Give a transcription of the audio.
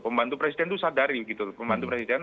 pembantu presiden itu sadari gitu